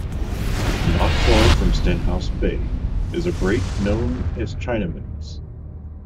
Not far from Stenhouse Bay is a break known as 'Chinamans'.